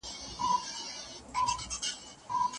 د مرګ انتظار د یوې تندې په څېر خوندور و.